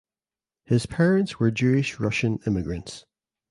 His parents were Jewish Russian immigrants.